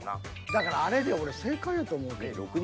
だからあれで正解やと思うけどな。